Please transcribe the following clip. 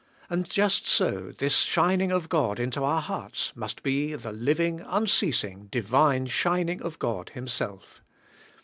And just so this shining" of God into our hearts must be the livings unceasing^ divine shining" of God Himself.